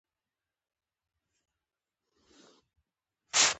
اوس ته ګوره همدغه یو سړی دی.